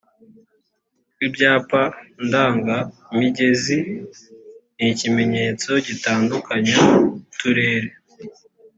ibyapa ndanga migezi ni ikimenyetso gitandukanya uturere